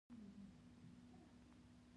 • د ورځې چمک د بریا نښه ده.